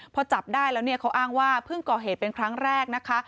พอจับได้แล้วเนี่ยเขาอ้างว่าเพิ่งก่อเหตุเป็นครั้งแรกนะคะ